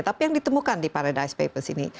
tapi yang ditemukan di paradise papers ini